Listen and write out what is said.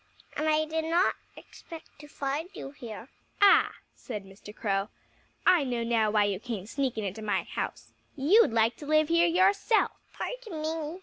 And I did not expect to find you here." "Ah!" said Mr. Crow. "I know now why you came sneaking into my house. You'd like to live here yourself." "Pardon me!"